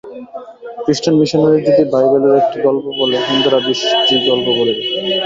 খ্রীষ্টান মিশনরীরা যদি বাইবেলের একটি গল্প বলে, হিন্দুরা বিশটি গল্প বলিবে।